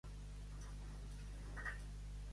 Estar en el sermó de les galtades.